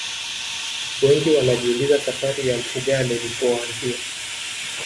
wengi wanajiuliza safari ya mfugale ilipoanzia